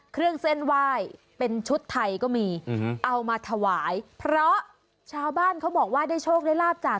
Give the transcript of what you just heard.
เครื่องเส้นไหว้เป็นชุดไทยก็มีเอามาถวายเพราะชาวบ้านเขาบอกว่าได้โชคได้ลาบจาก